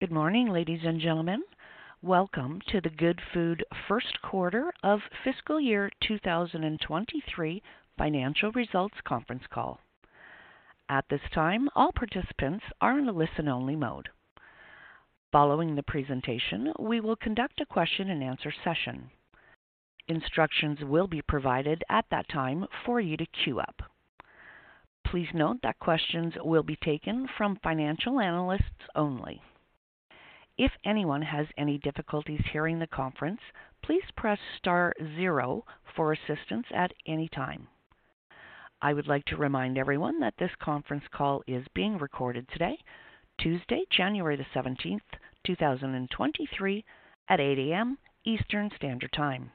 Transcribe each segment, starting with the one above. Good morning, ladies and gentlemen. Welcome to the Goodfood Q1 of fiscal year 2023 financial results conference call. At this time, all participants are in a listen-only mode. Following the presentation, we will conduct a question-and-answer session. Instructions will be provided at that time for you to queue up. Please note that questions will be taken from financial analysts only. If anyone has any difficulties hearing the conference, please press star zero for assistance at any time. I would like to remind everyone that this conference call is being recorded today, Tuesday, January 17th, 2023 at 8:00AM Eastern Standard Time.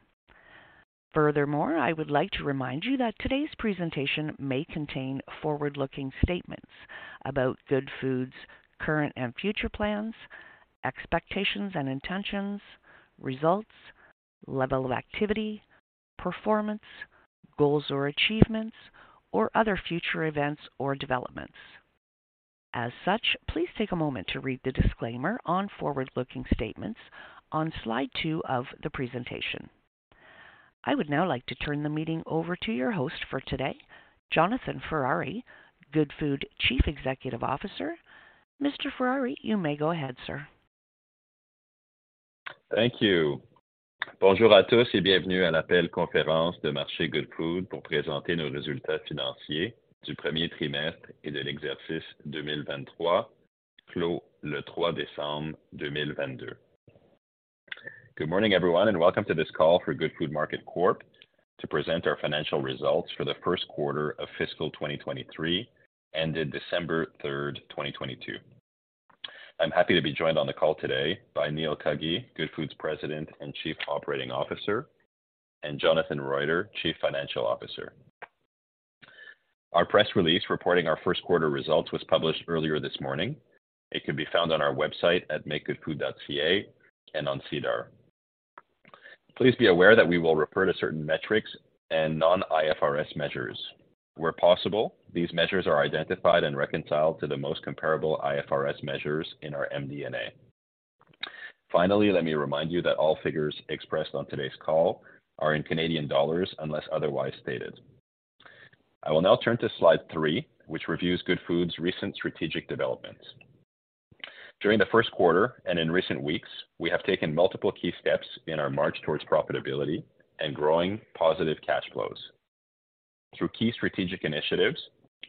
Furthermore, I would like to remind you that today's presentation may contain forward-looking statements about Goodfood's current and future plans, expectations and intentions, results, level of activity, performance, goals or achievements, or other future events or developments. As such, please take a moment to read the disclaimer on forward-looking statements on slide two of the presentation. I would now like to turn the meeting over to your host for today, Jonathan Ferrari, Goodfood Chief Executive Officer. Mr. Ferrari, you may go ahead, sir. Thank you. Good morning, everyone, welcome to this call for Goodfood Market Corp to present our financial results for the Q1 of fiscal 2023 ended December 3rd, 2022. I'm happy to be joined on the call today by Neil Cuggy, Goodfood's President and Chief Operating Officer, and Jonathan Roiter, Chief Financial Officer. Our press release reporting our Q1 results was published earlier this morning. It can be found on our website at makegoodfood.ca and on SEDAR. Please be aware that we will refer to certain metrics and non-IFRS measures. Where possible, these measures are identified and reconciled to the most comparable IFRS measures in our MD&A. Finally, let me remind you that all figures expressed on today's call are in Canadian dollars, unless otherwise stated. I will now turn to slide 3, which reviews Goodfood's recent strategic developments. During the Q1 and in recent weeks, we have taken multiple key steps in our march towards profitability and growing positive cash flows. Through key strategic initiatives,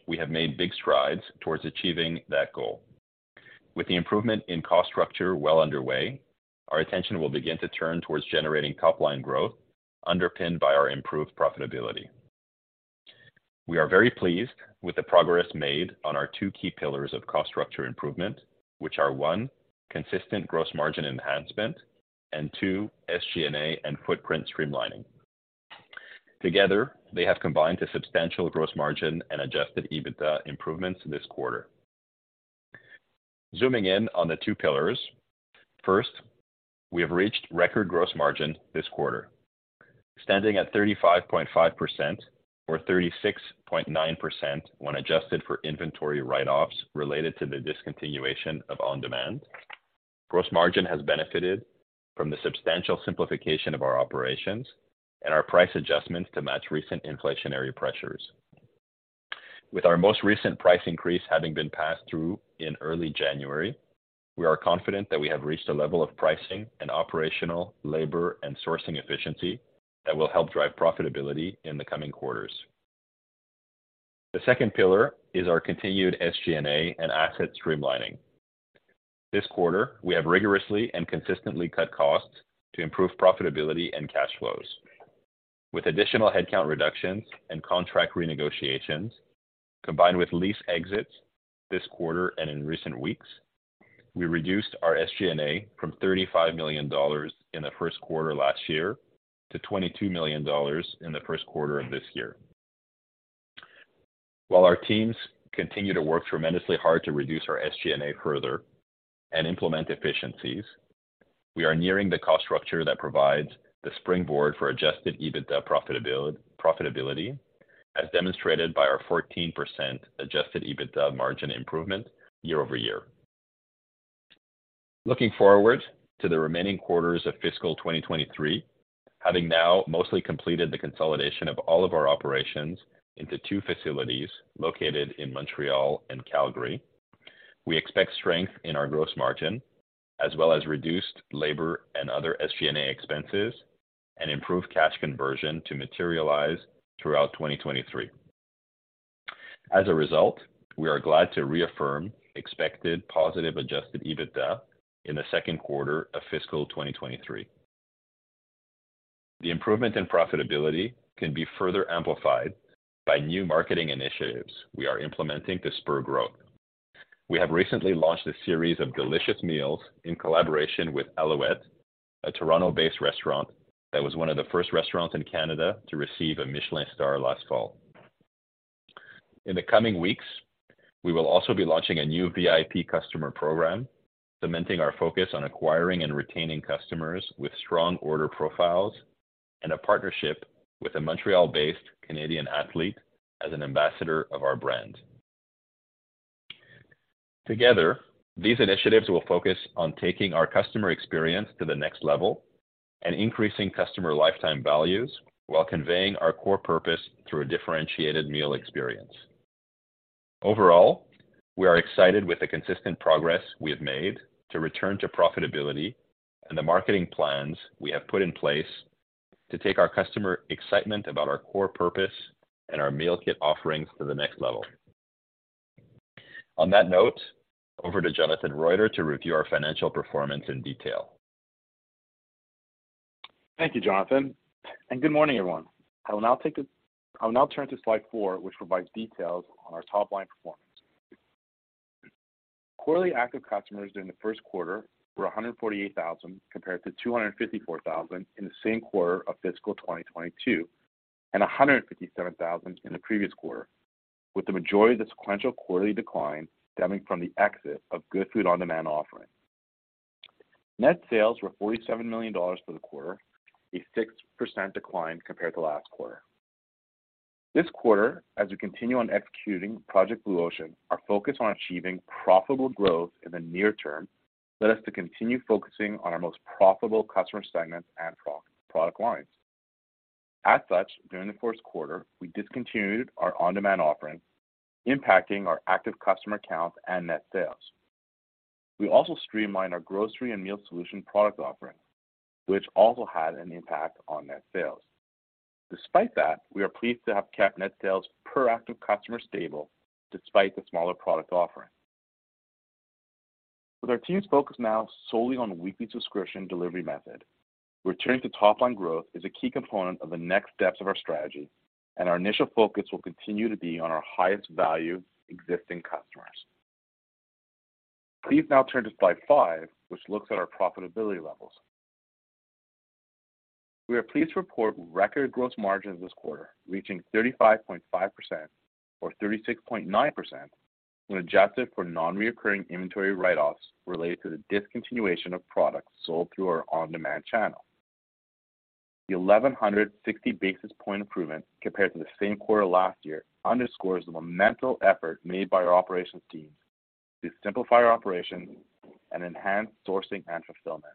we have made big strides towards achieving that goal. With the improvement in cost structure well underway, our attention will begin to turn towards generating top line growth underpinned by our improved profitability. We are very pleased with the progress made on our two key pillars of cost structure improvement, which are, one consistent gross margin enhancement, and two, SG&A and footprint streamlining. Together, they have combined a substantial gross margin and Adjusted EBITDA improvements this quarter. Zooming in on the two pillars. First, we have reached record gross margin this quarter, standing at 35.5% or 36.9% when adjusted for inventory write-offs related to the discontinuation of On-Demand. Gross margin has benefited from the substantial simplification of our operations and our price adjustments to match recent inflationary pressures. With our most recent price increase having been passed through in early January, we are confident that we have reached a level of pricing and operational labor and sourcing efficiency that will help drive profitability in the coming quarters. The second pillar is our continued SG&A and asset streamlining. This quarter, we have rigorously and consistently cut costs to improve profitability and cash flows. With additional headcount reductions and contract renegotiations, combined with lease exits this quarter and in recent weeks, we reduced our SG&A from 35 million dollars in the Q1 last year to 22 million dollars in the Q1 of this year. While our teams continue to work tremendously hard to reduce our SG&A further and implement efficiencies, we are nearing the cost structure that provides the springboard for Adjusted EBITDA profitability, as demonstrated by our 14% Adjusted EBITDA margin improvement year-over-year. Looking forward to the remaining quarters of fiscal 2023, having now mostly completed the consolidation of all of our operations into two facilities located in Montreal and Calgary, we expect strength in our gross margin, as well as reduced labor and other SG&A expenses and improved cash conversion to materialize throughout 2023. As a result, we are glad to reaffirm expected positive Adjusted EBITDA in the second quarter of fiscal 2023. The improvement in profitability can be further amplified by new marketing initiatives we are implementing to spur growth. We have recently launched a series of delicious meals in collaboration with Aloette, a Toronto-based restaurant that was one of the first restaurants in Canada to receive a Michelin star last fall. In the coming weeks, we will also be launching a new VIP customer program, cementing our focus on acquiring and retaining customers with strong order profiles. A partnership with a Montreal-based Canadian athlete as an ambassador of our brand. Together, these initiatives will focus on taking our customer experience to the next level and increasing customer lifetime values while conveying our core purpose through a differentiated meal experience. Overall, we are excited with the consistent progress we have made to return to profitability and the marketing plans we have put in place to take our customer excitement about our core purpose and our meal kit offerings to the next level. On that note, over to Jonathan Roiter to review our financial performance in detail. Thank you, Jonathan. Good morning, everyone. I will now turn to slide four, which provides details on our top-line performance. Quarterly active customers during the Q1 were 148,000 compared to 254,000 in the same quarter of fiscal 2022 and 157,000 in the previous quarter, with the majority of the sequential quarterly decline stemming from the exit of Goodfood On-Demand offering. Net sales were 47 million dollars for the quarter, a 6% decline compared to last quarter. This quarter, as we continue on executing Project Blue Ocean, our focus on achieving profitable growth in the near term led us to continue focusing on our most profitable customer segments and pro-product lines. During the Q1, we discontinued our On-Demand offering, impacting our active customer counts and net sales. We also streamlined our grocery and meal solution product offering, which also had an impact on net sales. Despite that, we are pleased to have kept net sales per active customer stable despite the smaller product offering. With our team's focus now solely on weekly subscription delivery method, returning to top-line growth is a key component of the next steps of our strategy, and our initial focus will continue to be on our highest value existing customers. Please now turn to slide five, which looks at our profitability levels. We are pleased to report record gross margins this quarter, reaching 35.5% or 36.9% when adjusted for non-recurring inventory write-offs related to the discontinuation of products sold through our On-Demand channel. The 1,160 basis point improvement compared to the same quarter last year underscores the monumental effort made by our operations teams to simplify our operations and enhance sourcing and fulfillment.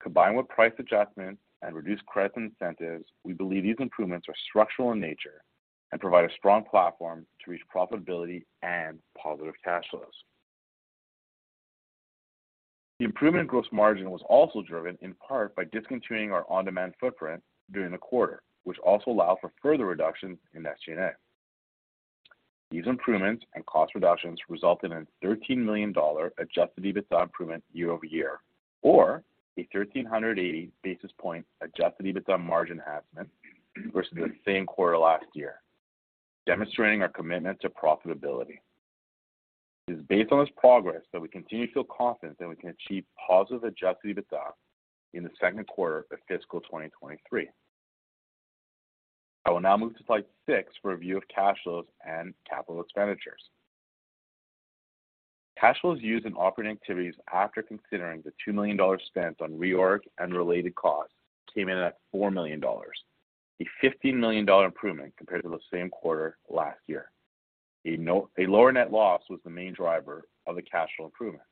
Combined with price adjustments and reduced credit incentives, we believe these improvements are structural in nature and provide a strong platform to reach profitability and positive cash flows. The improvement in gross margin was also driven in part by discontinuing our On-Demand footprint during the quarter, which also allowed for further reductions in SG&A. These improvements and cost reductions resulted in a 13 million dollar Adjusted EBITDA improvement year-over-year, or a 1,380 basis point Adjusted EBITDA margin enhancement versus the same quarter last year, demonstrating our commitment to profitability. It is based on this progress that we continue to feel confident that we can achieve positive Adjusted EBITDA in the second quarter of fiscal 2023. I will now move to slide six for a review of cash flows and capital expenditures. Cash flows used in operating activities after considering the 2 million dollar spent on reorg and related costs came in at 4 million dollars, a 15 million dollar improvement compared to the same quarter last year. A lower net loss was the main driver of the cash flow improvement.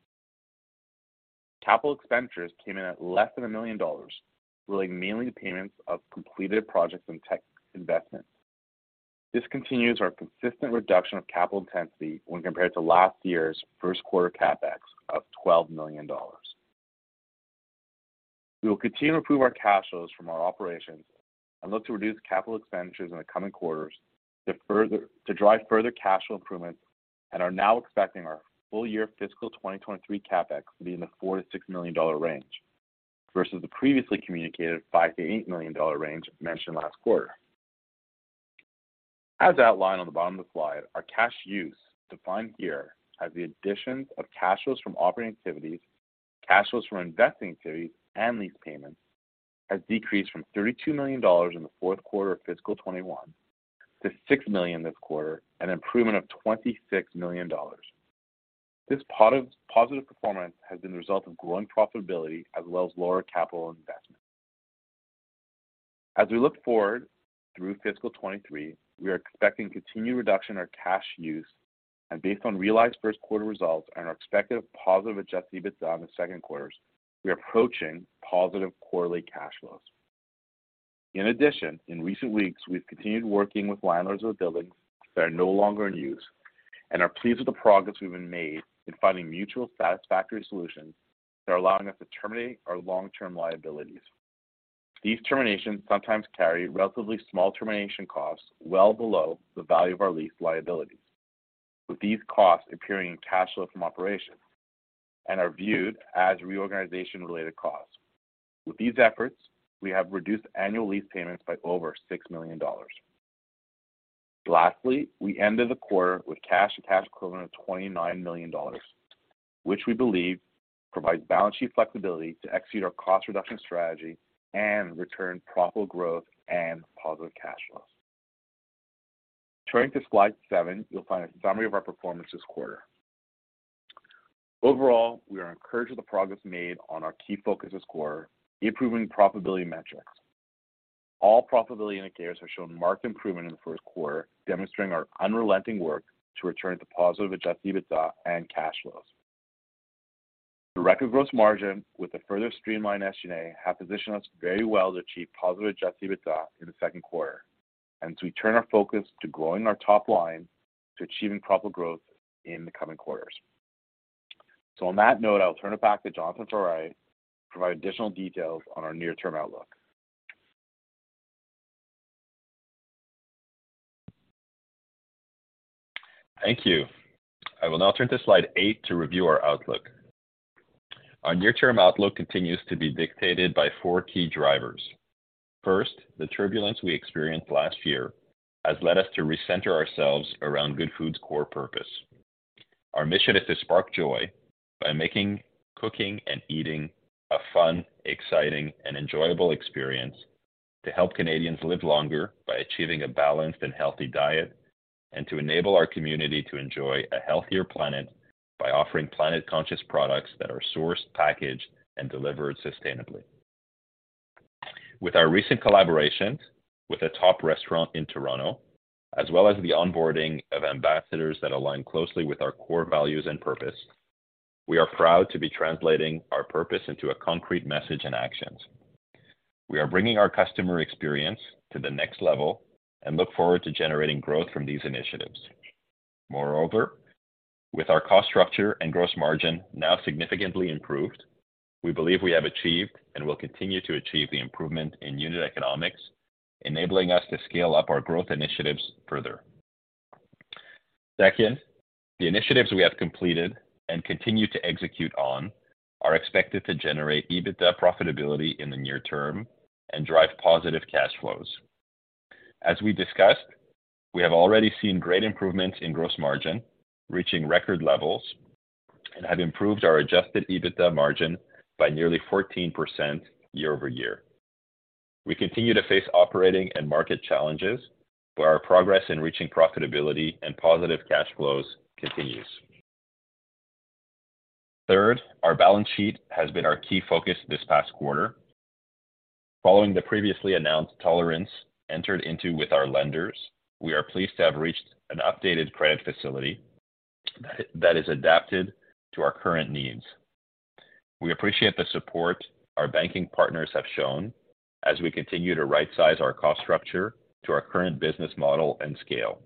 Capital expenditures came in at less than 1 million dollars, mainly the payments of completed projects and tech investments. This continues our consistent reduction of capital intensity when compared to last year's Q1 CapEx of 12 million dollars. We will continue to improve our cash flows from our operations and look to reduce capital expenditures in the coming quarters to drive further cash flow improvements and are now expecting our full year fiscal 2023 CapEx to be in the 4 million-6 million dollar range versus the previously communicated 5 million-8 million dollar range mentioned last quarter. As outlined on the bottom of the slide, our cash use, defined here as the addition of cash flows from operating activities, cash flows from investing activities, and lease payments, has decreased from 32 million dollars in the fourth quarter of fiscal 2021 to 6 million this quarter, an improvement of 26 million dollars. This positive performance has been the result of growing profitability as well as lower capital investments. As we look forward through fiscal 2023, based on realized Q1 results and our expected positive Adjusted EBITDA in the second quarters, we are approaching positive quarterly cash flows. In addition, in recent weeks, we've continued working with landlords of buildings that are no longer in use and are pleased with the progress we've been made in finding mutual satisfactory solutions that are allowing us to terminate our long-term liabilities. These terminations sometimes carry relatively small termination costs well below the value of our lease liabilities, with these costs appearing in cash flows from operations and are viewed as reorganization-related costs. With these efforts, we have reduced annual lease payments by over 6 million dollars. Lastly, we ended the quarter with cash and cash equivalent of 29 million dollars, which we believe provides balance sheet flexibility to execute our cost reduction strategy and return profitable growth and positive cash flows. Turning to slide seven, you'll find a summary of our performance this quarter. Overall, we are encouraged with the progress made on our key focus this quarter, improving profitability metrics. All profitability indicators have shown marked improvement in the Q1, demonstrating our unrelenting work to return to positive Adjusted EBITDA and cash flows. The record gross margin with a further streamlined SG&A have positioned us very well to achieve positive Adjusted EBITDA in the second quarter, and we turn our focus to growing our top line to achieving profitable growth in the coming quarters. On that note, I'll turn it back to Jonathan Ferrari to provide additional details on our near-term outlook. Thank you. I will now turn to slide eight to review our outlook. Our near-term outlook continues to be dictated by four key drivers. First, the turbulence we experienced last year has led us to recenter ourselves around Goodfood's core purpose. Our mission is to spark joy by making cooking and eating a fun, exciting, and enjoyable experience, to help Canadians live longer by achieving a balanced and healthy diet, and to enable our community to enjoy a healthier planet by offering planet-conscious products that are sourced, packaged, and delivered sustainably. With our recent collaborations with a top restaurant in Toronto, as well as the onboarding of ambassadors that align closely with our core values and purpose, we are proud to be translating our purpose into a concrete message and actions. We are bringing our customer experience to the next level and look forward to generating growth from these initiatives. Moreover, with our cost structure and gross margin now significantly improved, we believe we have achieved and will continue to achieve the improvement in unit economics, enabling us to scale up our growth initiatives further. The initiatives we have completed and continue to execute on are expected to generate EBITDA profitability in the near term and drive positive cash flows. As we discussed, we have already seen great improvements in gross margin, reaching record levels, and have improved our Adjusted EBITDA margin by nearly 14% year-over-year. We continue to face operating and market challenges, but our progress in reaching profitability and positive cash flows continues. Our balance sheet has been our key focus this past quarter. Following the previously announced tolerance entered into with our lenders, we are pleased to have reached an updated credit facility that is adapted to our current needs. We appreciate the support our banking partners have shown as we continue to right-size our cost structure to our current business model and scale.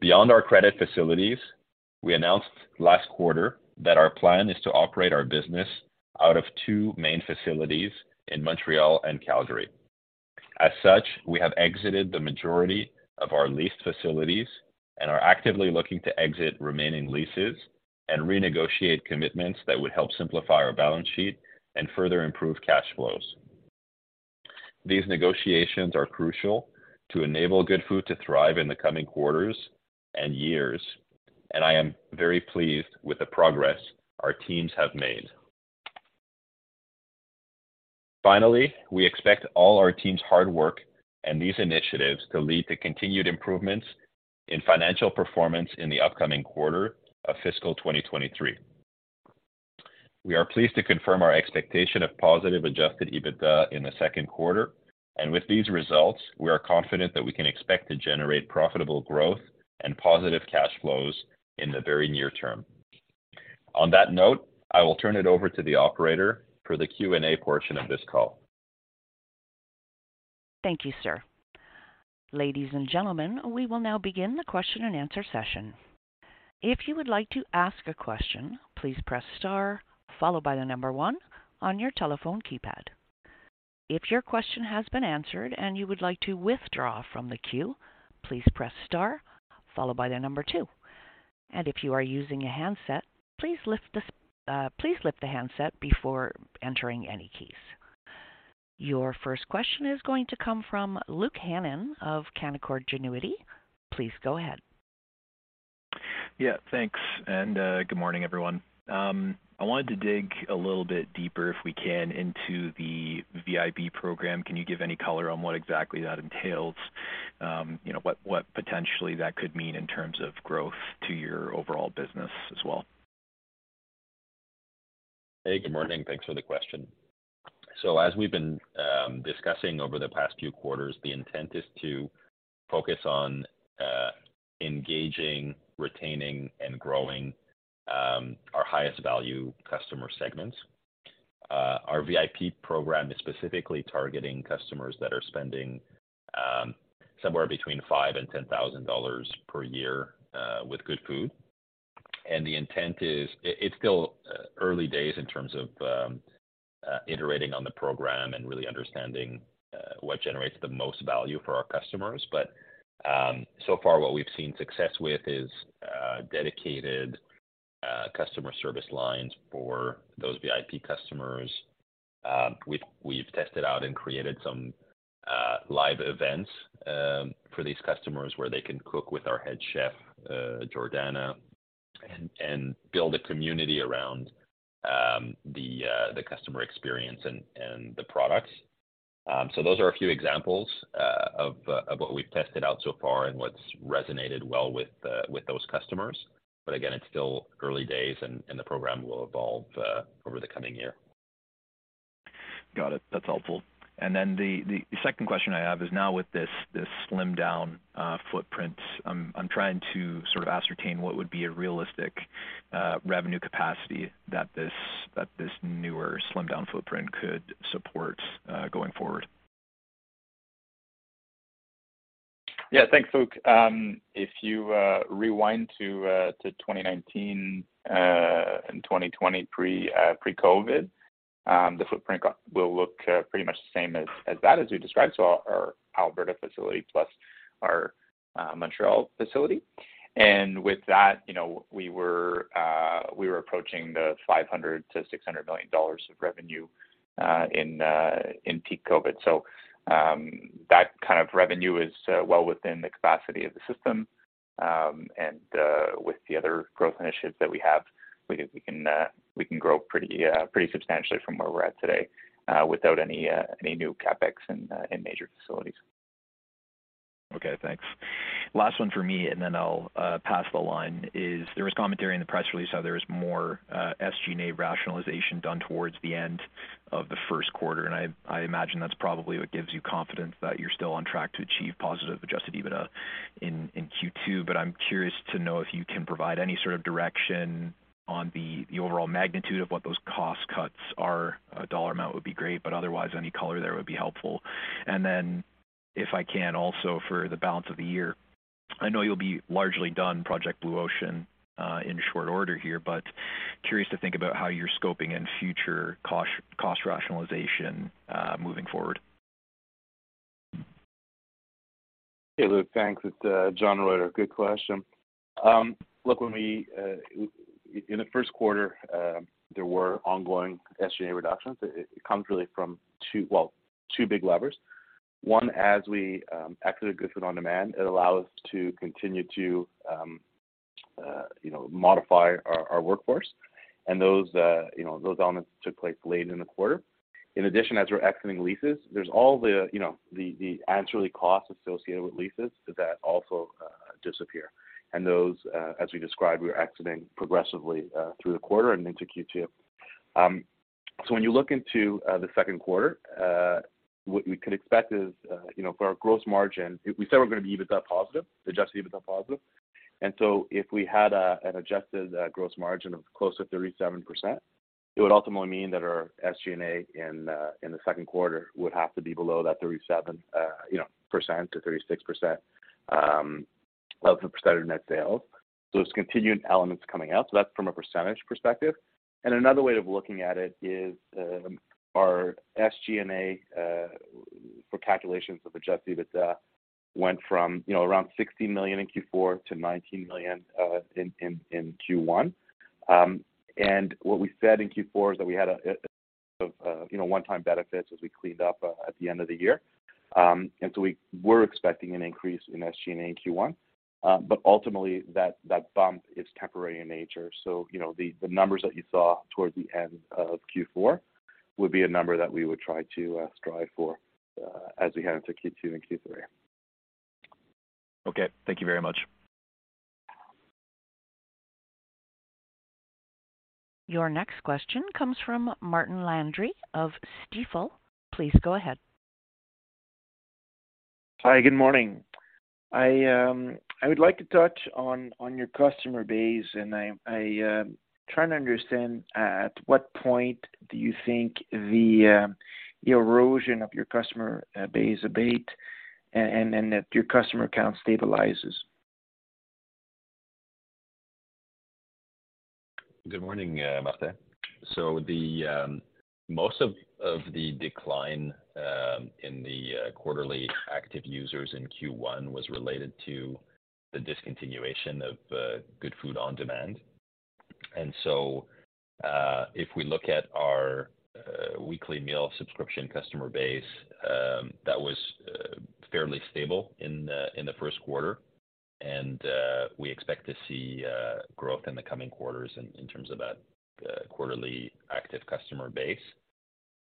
Beyond our credit facilities, we announced last quarter that our plan is to operate our business out of two main facilities in Montreal and Calgary. As such, we have exited the majority of our leased facilities and are actively looking to exit remaining leases and renegotiate commitments that would help simplify our balance sheet and further improve cash flows. These negotiations are crucial to enable Goodfood to thrive in the coming quarters and years, and I am very pleased with the progress our teams have made. Finally, we expect all our team's hard work and these initiatives to lead to continued improvements in financial performance in the upcoming quarter of fiscal 2023. We are pleased to confirm our expectation of positive Adjusted EBITDA in the second quarter. With these results, we are confident that we can expect to generate profitable growth and positive cash flows in the very near term. On that note, I will turn it over to the operator for the Q&A portion of this call. Thank you, sir. Ladies and gentlemen, we will now begin the question and answer session. If you would like to ask a question, please press star followed by one on your telephone keypad. If your question has been answered and you would like to withdraw from the queue, please press star followed by two. If you are using a handset, please lift the handset before entering any keys. Your first question is going to come from Luke Hannan of Canaccord Genuity. Please go ahead. Yeah, thanks, good morning, everyone. I wanted to dig a little bit deeper, if we can, into the VIP program. Can you give any color on what exactly that entails? You know, what potentially that could mean in terms of growth to your overall business as well? Hey, good morning. Thanks for the question. As we've been discussing over the past few quarters, the intent is to focus on engaging, retaining, and growing our highest value customer segments. Our VIP program is specifically targeting customers that are spending somewhere between $5,000-$10,000 per year with Goodfood. The intent is... it's still early days in terms of iterating on the program and really understanding what generates the most value for our customers. So far, what we've seen success with is dedicated customer service lines for those VIP customers. We've tested out and created some live events for these customers where they can cook with our Head Chef, Jordana, and build a community around the customer experience and the products. Those are a few examples of what we've tested out so far and what's resonated well with those customers. Again, it's still early days and the program will evolve over the coming year. Got it. That's helpful. Then the second question I have is now with this slimmed down footprint, I'm trying to sort of ascertain what would be a realistic revenue capacity that this newer slimmed down footprint could support going forward. Yeah, thanks, Luke. If you rewind to 2019 and 2020 pre-COVID, the footprint will look pretty much the same as that as we described. Our Alberta facility plus our Montreal facility. With that, you know, we were approaching the 500 million-600 million dollars of revenue in peak COVID. That kind of revenue is well within the capacity of the system. With the other growth initiatives that we have, we can grow pretty substantially from where we're at today without any new CapEx and major facilities. Okay, thanks. Last one for me, and then I'll pass the line, is there was commentary in the press release how there was more SG&A rationalization done towards the end of the Q1. I imagine that's probably what gives you confidence that you're still on track to achieve positive Adjusted EBITDA in Q2. I'm curious to know if you can provide any sort of direction on the overall magnitude of what those cost cuts are. A dollar amount would be great, but otherwise any color there would be helpful. If I can also for the balance of the year, I know you'll be largely done Project Blue Ocean in short order here, but curious to think about how you're scoping in future cost rationalization moving forward. Hey, Luke. Thanks. It's Jonathan Roiter. Good question. Look, when we in the Q1, there were ongoing SG&A reductions. It comes really from two, well, two big levers. One, as we exited Goodfood On-Demand, it allowed us to continue to, you know, modify our workforce. Those, you know, those elements took place late in the quarter. In addition, as we're exiting leases, there's all the, you know, the ancillary costs associated with leases that also disappear. Those, as we described, we're exiting progressively through the quarter and into Q2. When you look into the second quarter, what we could expect is, you know, for our gross margin, we said we're gonna be EBITDA positive, Adjusted EBITDA positive. If we had an adjusted gross margin of close to 37%, it would ultimately mean that our SG&A in the second quarter would have to be below that 37%, you know, to 36% of the percentage of net sales. There's continuing elements coming out. That's from a percentage perspective. Another way of looking at it is, our SG&A for calculations of Adjusted EBITDA went from, you know, around 60 million in Q4 to 19 million in Q1. What we said in Q4 is that we had a, you know, one-time benefits as we cleaned up at the end of the year. We were expecting an increase in SG&A in Q1. Ultimately that bump is temporary in nature. you know, the numbers that you saw towards the end of Q4 would be a number that we would try to strive for as we head into Q2 and Q3. Okay. Thank you very much. Your next question comes from Martin Landry of Stifel. Please go ahead. Hi, good morning. I would like to touch on your customer base, and I, trying to understand at what point do you think the erosion of your customer base abate and then that your customer count stabilizes? Good morning, Martin. The most of the decline in the quarterly active users in Q1 was related to the discontinuation of Goodfood On-Demand. If we look at our weekly meal subscription customer base, that was fairly stable in the Q1. We expect to see growth in the coming quarters in terms of that quarterly active customer base.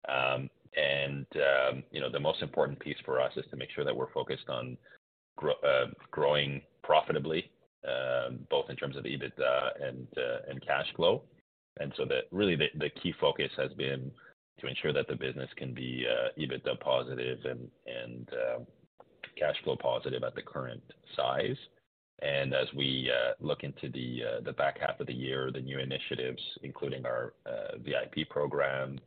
You know, the most important piece for us is to make sure that we're focused on growing profitably, both in terms of EBITDA and cash flow. Really key focus has been to ensure that the business can be EBITDA positive and cash flow positive at the current size. As we look into the back half of the year, the new initiatives, including our VIP program,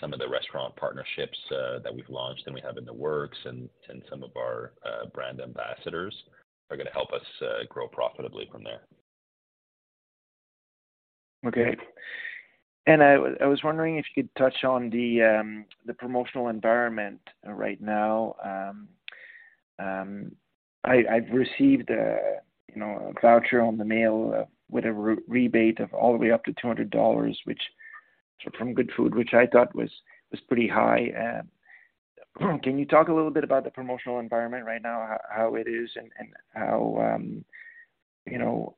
some of the restaurant partnerships that we've launched and we have in the works and some of our brand ambassadors are gonna help us grow profitably from there. Okay. I was wondering if you could touch on the promotional environment right now. I've received a, you know, a voucher on the mail with a rebate of all the way up to 200 dollars, which from Goodfood, which I thought was pretty high. Can you talk a little bit about the promotional environment right now, how it is and how, you know,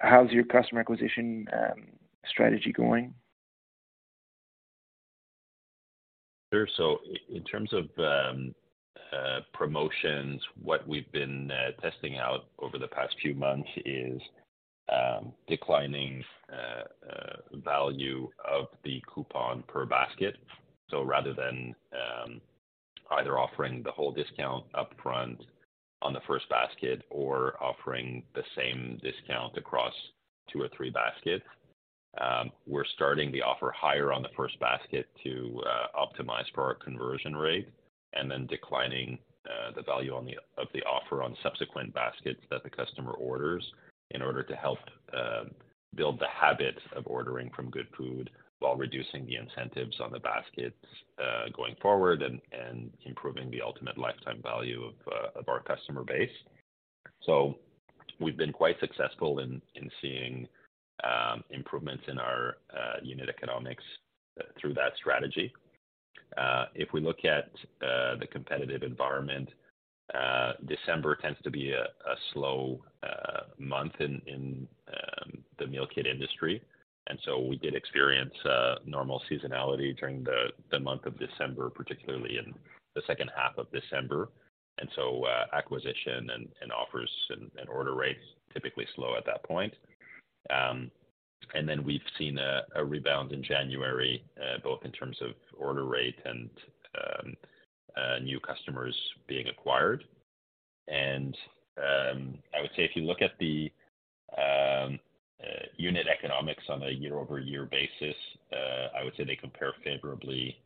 how's your customer acquisition strategy going? In terms of promotions, what we've been testing out over the past few months is declining value of the coupon per basket. Rather than either offering the whole discount upfront on the first basket or offering the same discount across two baskets or three baskets, we're starting the offer higher on the first basket to optimize for our conversion rate and then declining the value of the offer on subsequent baskets that the customer orders in order to help build the habit of ordering from Goodfood while reducing the incentives on the baskets going forward and improving the ultimate lifetime value of our customer base. We've been quite successful in seeing improvements in our unit economics through that strategy. If we look at the competitive environment, December tends to be a slow month in the meal kit industry. We did experience normal seasonality during the month of December, particularly in the second half of December. Acquisition and offers and order rates typically slow at that point. We've seen a rebound in January, both in terms of order rate and new customers being acquired. I would say if you look at the unit economics on a year-over-year basis, I would say they compare favorably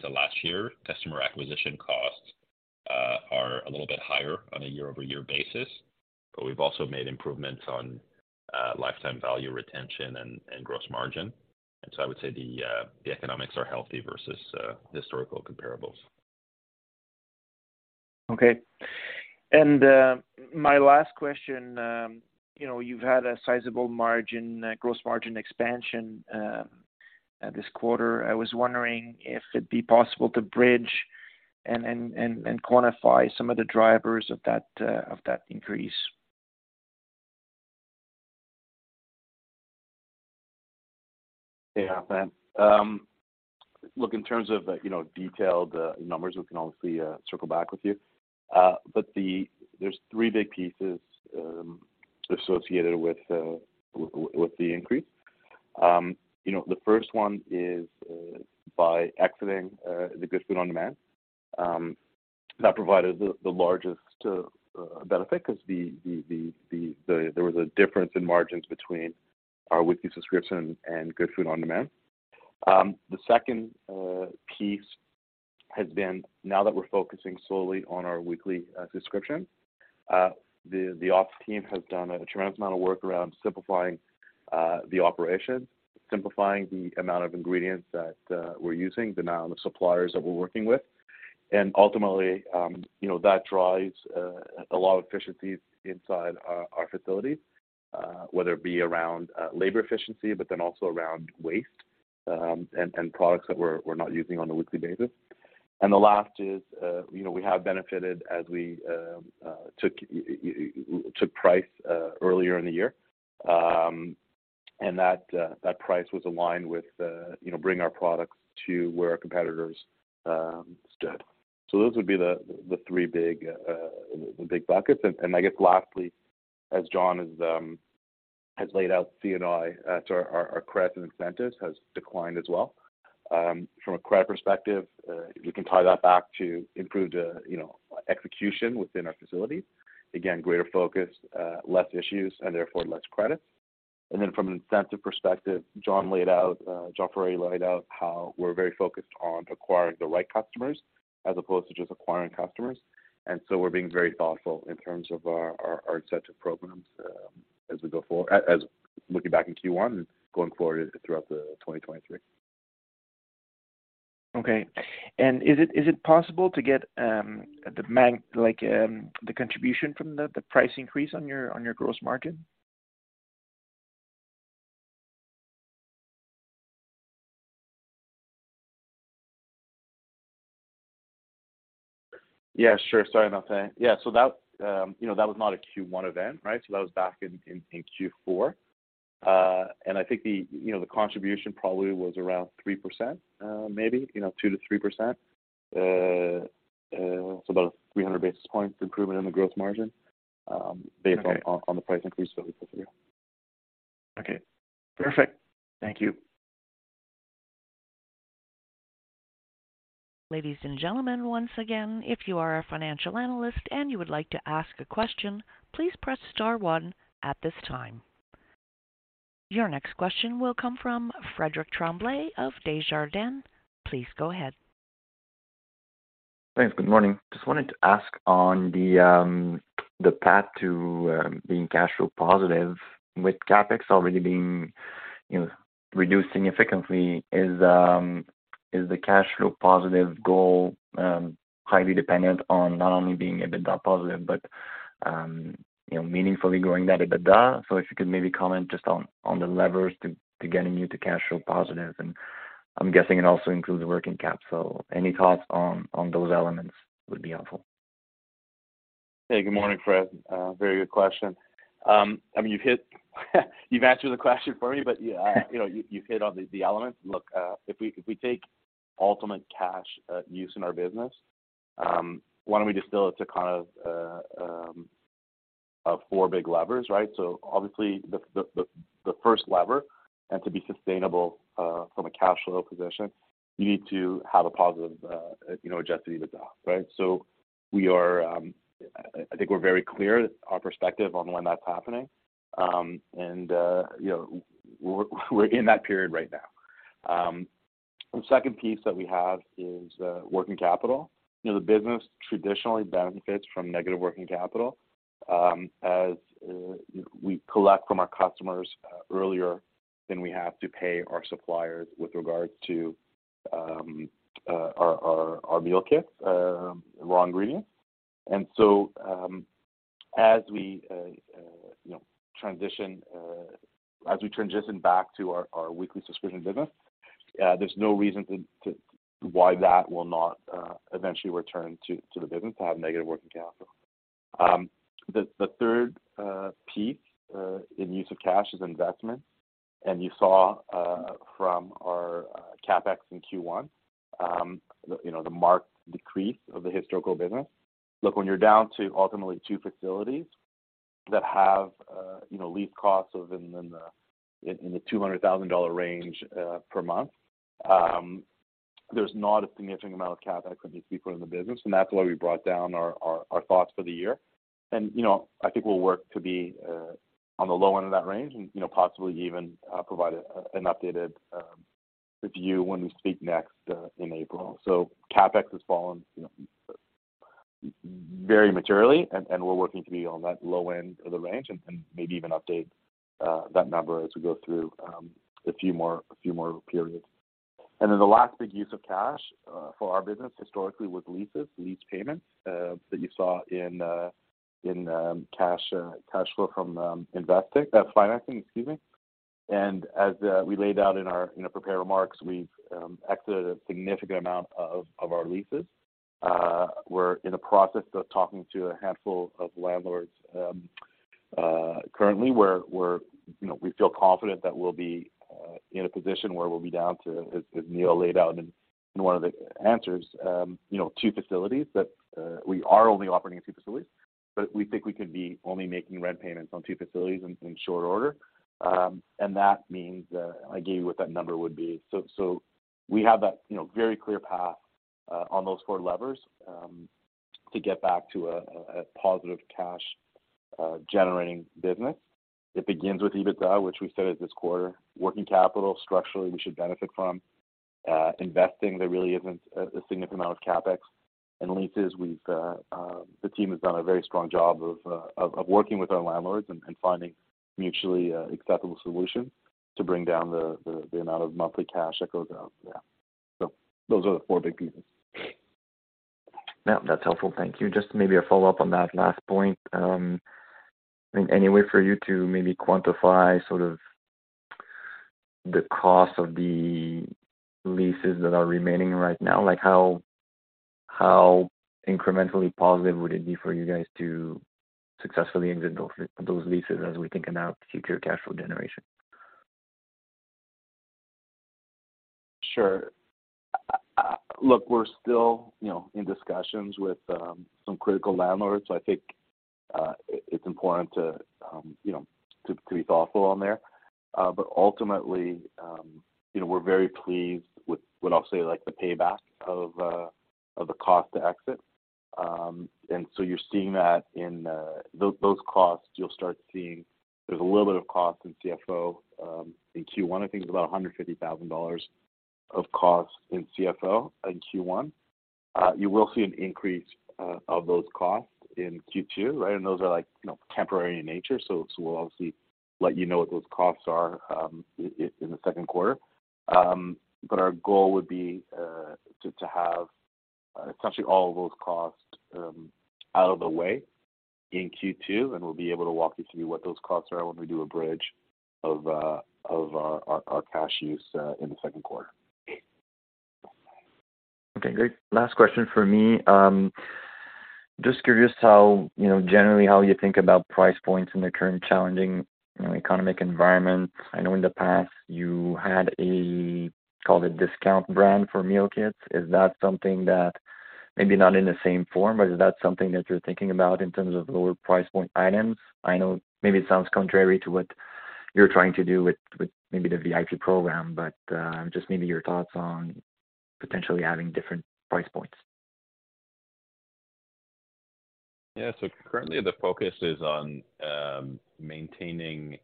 to last year. Customer acquisition costs are a little bit higher on a year-over-year basis, but we've also made improvements on lifetime value retention and gross margin. I would say the economics are healthy versus historical comparables. Okay. My last question, you know, you've had a sizable margin, gross margin expansion, this quarter. I was wondering if it'd be possible to bridge and quantify some of the drivers of that, of that increase. Yeah, Martin. Look, in terms of, you know, detailed numbers, we can obviously circle back with you. There's three big pieces associated with the increase. You know, the first one is by exiting Goodfood On-Demand, that provided the largest benefit 'cause there was a difference in margins between our weekly subscription and Goodfood On-Demand. The second piece has been now that we're focusing solely on our weekly subscription, the ops team has done a tremendous amount of work around simplifying the operation, simplifying the amount of ingredients that we're using, the amount of suppliers that we're working with. Ultimately, you know, that drives a lot of efficiencies inside our facility, whether it be around labor efficiency, but then also around waste, and products that we're not using on a weekly basis. The last is, you know, we have benefited as we took price earlier in the year. That price was aligned with, you know, bring our products to where our competitors stood. Those would be the three big buckets. I guess lastly, as John has laid out, C&I, so our credits and incentives has declined as well. From a credit perspective, you can tie that back to improved, you know, execution within our facility. Again, greater focus, less issues, and therefore less credits. From an incentive perspective, John laid out, Jonathan Ferrari laid out how we're very focused on acquiring the right customers as opposed to just acquiring customers. We're being very thoughtful in terms of our incentive programs, as looking back in Q1 and going forward throughout 2023. Okay. Is it possible to get the contribution from the price increase on your gross margin? Yeah, sure. Sorry about that. Yeah. That, you know, that was not a Q1 event, right? That was back in Q4. I think the, you know, the contribution probably was around 3%, maybe, you know, 2%-3%. About 300 basis points improvement in the gross margin, based on the price increase that we put through. Okay. Perfect. Thank you. Ladies and gentlemen, once again, if you are a financial analyst and you would like to ask a question, please press star one at this time. Your next question will come from Frederic Tremblay of Desjardins. Please go ahead. Thanks. Good morning. Just wanted to ask on the path to being cash flow positive with CapEx already being, you know, reduced significantly, is the cash flow positive goal highly dependent on not only being EBITDA positive, but, you know, meaningfully growing net EBITDA. If you could maybe comment just on the levers to getting you to cash flow positive, and I'm guessing it also includes the working capital. Any thoughts on those elements would be helpful. Hey, good morning, Fred. Very good question. I mean, you've hit you've answered the question for me, but yeah, you know, you've hit on the elements. Look, if we take ultimate cash use in our business, why don't we distill it to kind of four big levers, right? Obviously the first lever, and to be sustainable from a cash flow position, you need to have a positive, you know, Adjusted EBITDA, right? We are, I think we're very clear our perspective on when that's happening. You know, we're in that period right now. The second piece that we have is working capital. You know, the business traditionally benefits from negative working capital, as we collect from our customers earlier than we have to pay our suppliers with regards to our meal kits and raw ingredients. As we, you know, transition back to our weekly subscription business, there's no reason why that will not eventually return to the business to have negative working capital. The third piece in use of cash is investment. You saw from our CapEx in Q1, you know, the marked decrease of the historical business. Look, when you're down to ultimately two facilities that have, you know, lease costs of in the 200,000 dollar range, per month, there's not a significant amount of CapEx that needs to be put in the business, and that's why we brought down our thoughts for the year. You know, I think we'll work to be on the low end of that range and, you know, possibly even provide an updated view when we speak next in April. CapEx has fallen, you know, very materially, and we're working to be on that low end of the range and maybe even update that number as we go through a few more, a few more periods. Then the last big use of cash for our business historically was leases, lease payments that you saw in cash cash flow from financing, excuse me. As we laid out in our, in the prepared remarks, we've exited a significant amount of our leases. We're in a process of talking to a handful of landlords currently, where we're. You know, we feel confident that we'll be in a position where we'll be down to, as Neil laid out in one of the answers, you know, two facilities, but we are only operating in two facilities. We think we could be only making rent payments on two facilities in short order. That means I gave you what that number would be. we have that, you know, very clear path on those four levers to get back to a positive cash generating business. It begins with EBITDA, which we said is this quarter. Working capital, structurally, we should benefit from. investing, there really isn't a significant amount of CapEx. leases, we've the team has done a very strong job of working with our landlords and finding mutually acceptable solutions to bring down the amount of monthly cash that goes out. Yeah. those are the four big pieces. Yeah. That's helpful. Thank you. Just maybe a follow-up on that last point. I mean, any way for you to maybe quantify sort of the cost of the leases that are remaining right now? Like how incrementally positive would it be for you guys to successfully exit those leases as we think about future cash flow generation? Sure. Look, we're still, you know, in discussions with some critical landlords. I think it's important to be thoughtful on there. Ultimately, you know, we're very pleased with obviously like the payback of the cost to exit. You're seeing that in those costs, you'll start seeing there's a little bit of cost in CFO in Q1. I think it's about 150,000 dollars of costs in CFO in Q1. You will see an increase of those costs in Q2, right? Those are like, you know, temporary in nature, so we'll obviously let you know what those costs are in the second quarter. Our goal would be to have essentially all of those costs out of the way in Q2, and we'll be able to walk you through what those costs are when we do a bridge of our cash use in the second quarter. Great. Last question for me. Just curious how, you know, generally how you think about price points in the current challenging, you know, economic environment. I know in the past you had a discount brand for meal kits. Is that something that maybe not in the same form, but is that something that you're thinking about in terms of lower price point items? I know maybe it sounds contrary to what you're trying to do with maybe the VIP program, just maybe your thoughts on potentially having different price points. Currently, the focus is on maintaining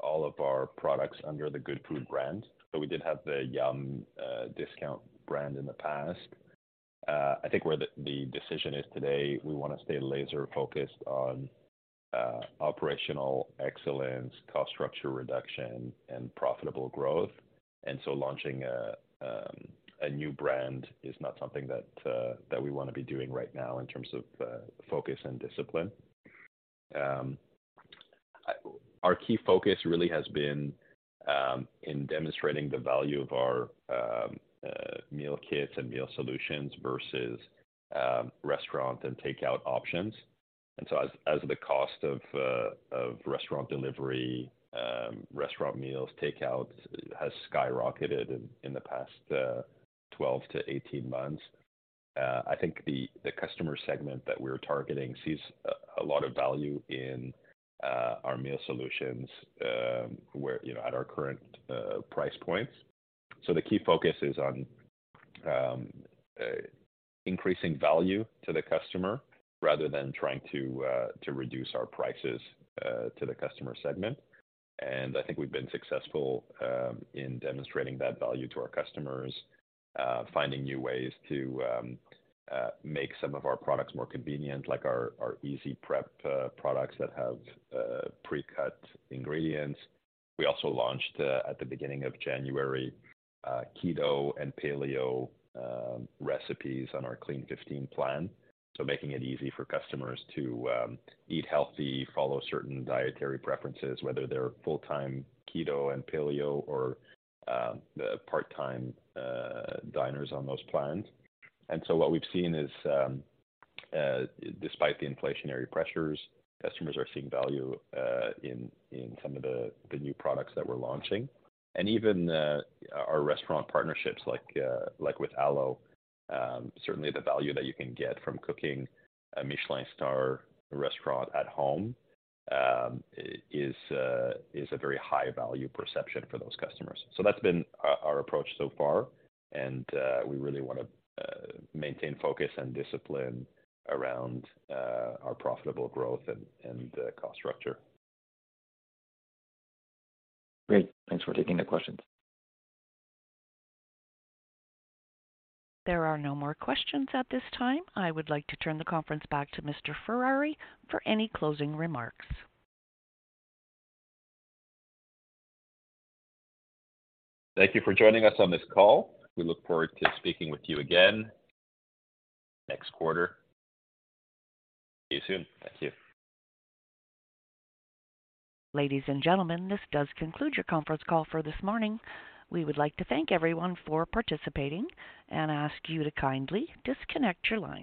all of our products under the Goodfood brand. We did have the Yumm discount brand in the past. I think where the decision is today, we wanna stay laser-focused on operational excellence, cost structure reduction, and profitable growth. Launching a new brand is not something that we wanna be doing right now in terms of focus and discipline. Our key focus really has been in demonstrating the value of our meal kits and meal solutions versus restaurant and takeout options. As the cost of restaurant delivery, restaurant meals, takeout has skyrocketed in the past 12 months-18 months, I think the customer segment that we're targeting sees a lot of value in our meal solutions, where, you know, at our current price points. The key focus is on increasing value to the customer rather than trying to reduce our prices to the customer segment. I think we've been successful in demonstrating that value to our customers, finding new ways to make some of our products more convenient, like our Easy Prep products that have pre-cut ingredients. We also launched at the beginning of January, Keto and Paleo recipes on our Clean15 plan. Making it easy for customers to eat healthy, follow certain dietary preferences, whether they're full-time Keto and Paleo or part-time diners on those plans. What we've seen is, despite the inflationary pressures, customers are seeing value in some of the new products that we're launching. Even our restaurant partnerships like with Aloette, certainly the value that you can get from cooking a Michelin restaurant at home is a very high value perception for those customers. That's been our approach so far, and we really wanna maintain focus and discipline around our profitable growth and the cost structure. Great. Thanks for taking the questions. There are no more questions at this time. I would like to turn the conference back to Mr. Ferrari for any closing remarks. Thank you for joining us on this call. We look forward to speaking with you again next quarter. See you soon. Thank you. Ladies and gentlemen, this does conclude your conference call for this morning. We would like to thank everyone for participating and ask you to kindly disconnect your lines.